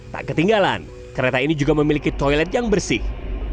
tak ketinggalan kereta ini juga memiliki toilet yang bersih